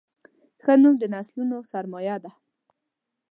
ښه نوم د نسلونو سرمایه ده.